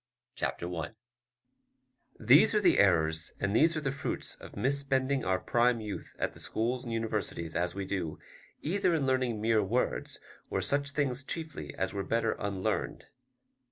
Chapter I These are the errors, and these are the fruits of misspending our prime youth at the schools and universities, as we do, either in learning mere words, or such things chiefly as were better unlearned.